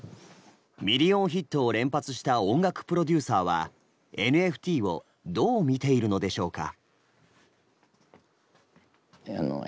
ミリオンヒットを連発した音楽プロデューサーはＮＦＴをどう見ているのでしょうか。